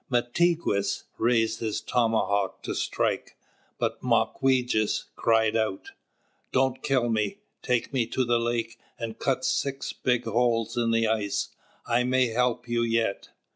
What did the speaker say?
Mātigwess raised his tomahawk to strike; but Mawquejess cried out: "Don't kill me! Take me to the lake, and cut six big holes in the ice. I may help you yet."